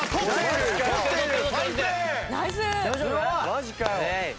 マジかよ。